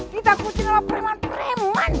kita kucing sama pereman pereman